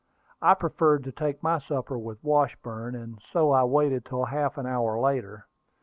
I preferred to take my supper with Washburn, and so I waited till half an hour later.